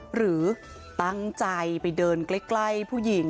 หรือตั้งใจไปเดินใกล้ผู้หญิง